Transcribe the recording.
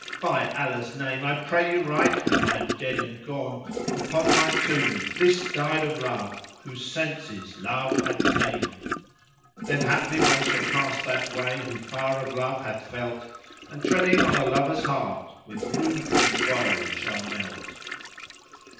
By Allah's name I pray you write, when I am dead and gone, * Upon my tomb, This died of Love whose senses Love had ta'en: Then haply one shall pass that way who fire of Love hath felt, * And treading on a lover's heart with ruth and woe shall melt."